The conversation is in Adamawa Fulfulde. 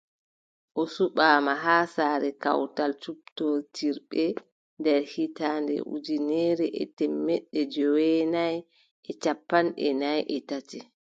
O suɓaama haa saare kawtal cuɓtootirɓe nder hitaande ujineere e teemeɗɗe joweenayi e cappanɗe nay e tati.